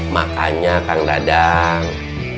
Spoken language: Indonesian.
makanya kang dadang